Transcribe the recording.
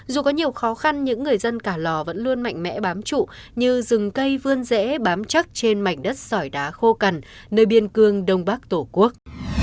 dù có nhiều khó khăn nhưng người dân cả lò vẫn luôn mạnh mẽ bám trụ như rừng cây vươn rễ bám chắc trên mảnh đất sỏi đá khô cằn nơi biên cương đông bắc tổ quốc